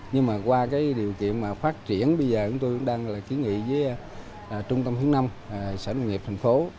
nhưng mà qua cái điều kiện phát triển bây giờ tôi cũng đang ký nghị với trung tâm hướng năm xã nông nghiệp thành phố